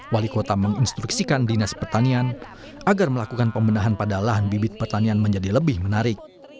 wali kota menginstruksikan dinas pertanian agar melakukan pembenahan pada lahan bibit pertanian menjadi lebih menarik